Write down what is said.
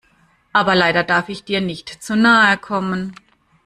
Aber leider darf ich dir nicht zu nahe kommen.